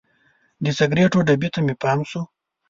د سګریټو ډبي ته مې پام شو.